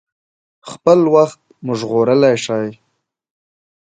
خپل وخت مو ژغورلی شئ.